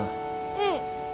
うん。